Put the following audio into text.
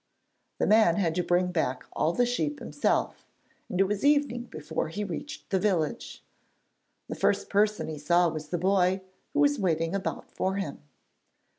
The man had to bring back all the sheep himself, and it was evening before he reached the village. The first person he saw was the boy who was waiting about for him.